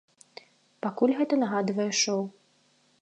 Пакуль гэта нагадвае шоў.